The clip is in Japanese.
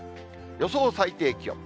予想最低気温。